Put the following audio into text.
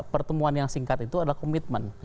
pertemuan yang singkat itu adalah komitmen